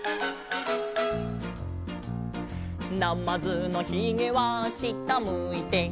「なまずのひげは下むいて」